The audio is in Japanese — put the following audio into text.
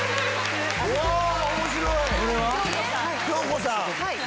恭子さん！